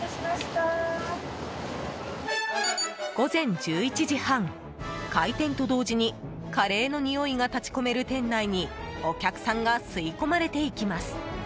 午前１１時半、開店と同時にカレーのにおいが立ち込める店内にお客さんが吸い込まれていきます。